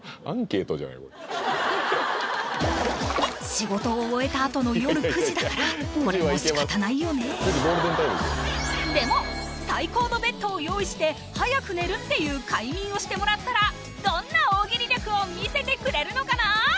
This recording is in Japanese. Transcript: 仕事を終えたあとのでも最高のベッドを用意して早く寝るっていう快眠をしてもらったらどんな大喜利力を見せてくれるのかな？